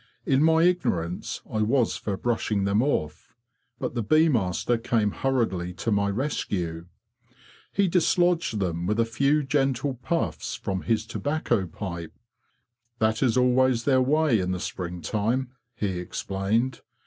In my ignorance I was for brushing them off, but the bee master came hurriedly to my rescue. He dislodged them with a few gentle puffs from his tobacco pipe. 'That is always their way in the spring time,"' he explained.